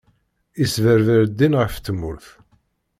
Isberber ddin ɣef tmurt.